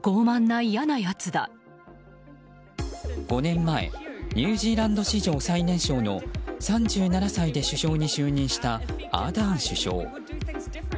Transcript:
５年前、ニュージーランド史上最年少の３７歳で首相に就任したアーダーン首相。